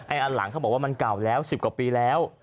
อันหลังเขาบอกว่ามันเก่าแล้ว๑๐กว่าปีแล้ว